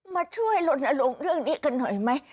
มาช่วยลดอารมณ์เรื่องนี้กันหน่อยไหม